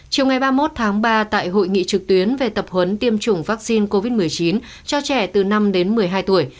chiều ngày ba mươi một tháng ba tại hội nghị trực tuyến về tập huấn tiêm chủng vaccine covid một mươi chín cho trẻ từ năm đến một mươi hai tuổi